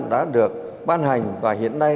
đã được ban hành và hiện nay